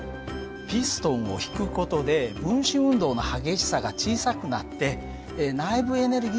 ピストンを引く事で分子運動の激しさが小さくなって内部エネルギーも小さくなる。